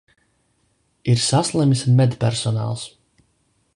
Ir saslimis medpersonāls.